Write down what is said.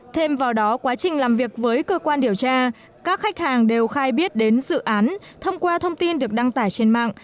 thêm vào đó quá trình làm việc với cơ quan điều tra các khách hàng đều khai biết đến dự án thông qua thông tin được đăng tải trên mạng